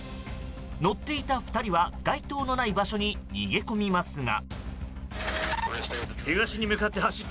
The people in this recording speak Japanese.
乗っていた２人は街灯のない場所に逃げ込みますが。